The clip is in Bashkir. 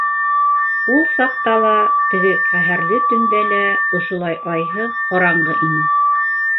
Ул саҡта ла... теге ҡәһәрле төндә лә... ошолай айһыҙ ҡараңғы ине.